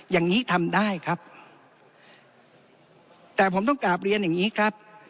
อย่างนี้ทำได้ครับแต่ผมต้องกลับเรียนอย่างนี้ครับ